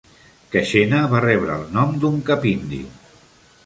Keshena va rebre el nom d'un cap indi.